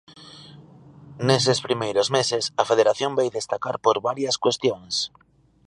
Neses primeiros meses, a Federación vai destacar por varias cuestións.